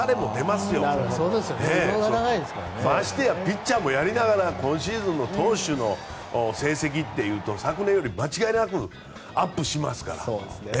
ましてやピッチャーもやりながら今シーズンの投手の成績というと昨年より間違いなくアップしますから。